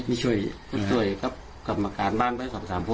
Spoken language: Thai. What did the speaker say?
ดีใจแล้วว่าแม่นไอ้เจ้าแล้ว